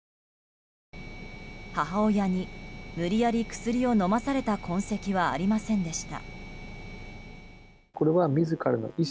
母親に無理やり薬を飲まされた痕跡はありませんでした。